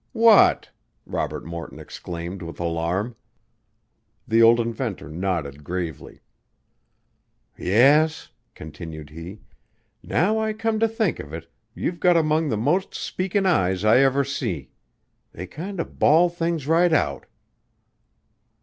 "What!" Robert Morton exclaimed with alarm. The old inventor nodded gravely. "Yes," continued he, "now I come to think of it, you've got among the most speakin' eyes I ever see. They kinder bawl things right out."